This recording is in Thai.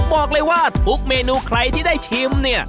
บอกเลยว่าทุกเมนูใครที่ได้ชิมเนี่ย